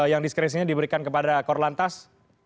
yang diskresinya diberikan kepada korlantas